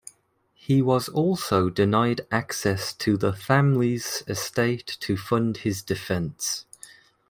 He was also denied access to the family's estate to fund his defence.